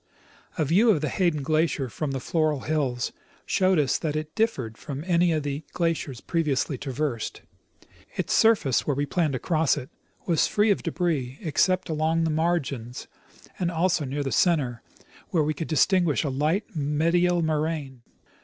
A view of the Hayden glacier from the Floral hills showed us that it differed from any of the glaciers previously traversed. Its surface, where we planned to cross it, was free of debris except along the margins and also near the center, where we could distinguish a light medial moraine.